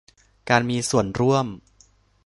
การมีส่วนร่วม